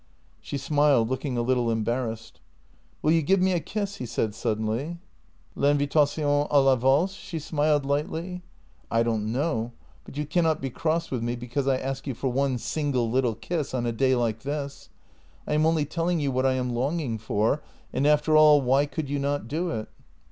She smiled, looking a little embarrassed. " Will you give me a kiss? " he said suddenly. "' L' invitation å la valse?'" She smiled lightly. " I don't know — but you cannot be cross with me because I ask you for one single little kiss — on a day like this. I am only telling you what I am longing for, and, after all, why could you not do it